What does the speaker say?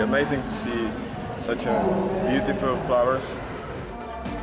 ini sangat menakjubkan untuk melihat anggrek yang indah